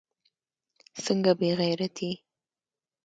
څنگه بې غيرتي.